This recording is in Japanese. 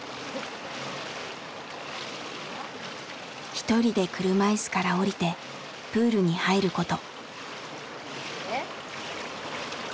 一人で車いすから降りてプールに入ること。